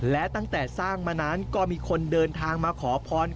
และตั้งแต่สร้างมานั้นก็มีคนเดินทางมาขอพร